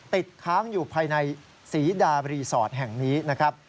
ติดค้างอยู่ภายในศรีดารีสอร์ทแห่งนี้นะครับ